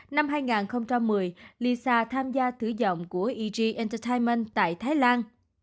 năm hai nghìn một mươi lisa tham gia thử dọng của eg entertainment tại thái lan